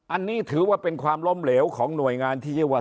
อันนี้ถือว่าเป็นความล้มเหลวของหน่วยงานที่เรียกว่า